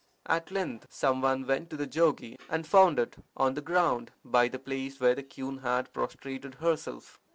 At length some one went to the jogi, and found it on the ground by the place where the queen had prostrated herself.